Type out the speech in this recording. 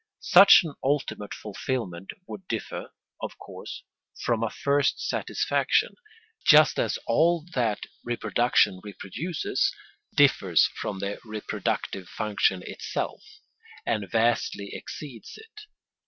Such an ultimate fulfilment would differ, of course, from a first satisfaction, just as all that reproduction reproduces differs from the reproductive function itself, and vastly exceeds it.